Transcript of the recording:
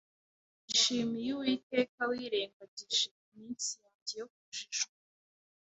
Nshimiye Uwiteka wirengagije iminsi yanjye yo kujijwa.